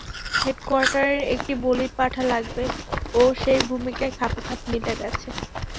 হেডকোয়ার্টারের একটা বলির পাঁঠা লাগবে, ও সেই ভূমিকায় খাপে খাপে মিলে গেছে।